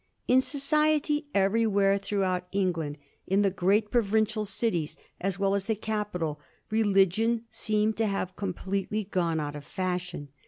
In society everywhere throughout England, in the great provincial cities as well as in the capital, religion seemed to have completely gone out of fashion.